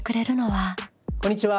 こんにちは。